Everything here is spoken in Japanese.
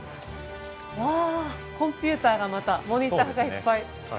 わあコンピューターがまたモニターがいっぱい。